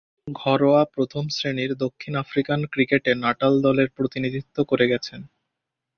ঘরোয়া প্রথম-শ্রেণীর দক্ষিণ আফ্রিকান ক্রিকেটে নাটাল দলের প্রতিনিধিত্ব করে গেছেন।